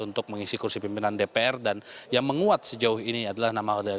untuk mengisi kursi pimpinan dpr dan yang menguat sejauh ini adalah nama